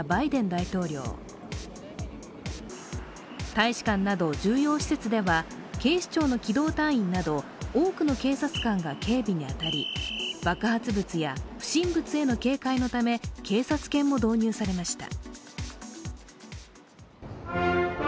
大使館など重要施設では警視庁の機動隊員など多くの警察官が警備に当たり爆発物や不審物への警戒のため警察犬も導入されました。